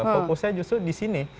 fokusnya justru di sini